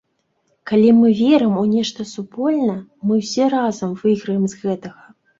Калі мы верым у нешта супольна, мы ўсе разам выйграем з гэтага.